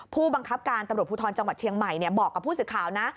ผู้บังคับการตำรวจภูทรจังหวัดเชียงใหม่บอกกับผู้สื่อข่าวนะ